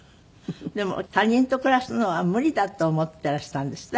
でも他人と暮らすのは無理だと思っていらしたんですって？